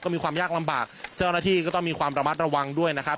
มีความยากลำบากเจ้าหน้าที่ก็ต้องมีความระมัดระวังด้วยนะครับ